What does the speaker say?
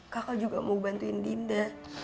kakak juga mau bantuin dinda